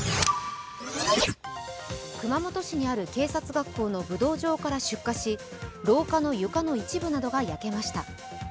熊本市にある警察学校の武道場から出火し廊下の床の一部などが焼けました。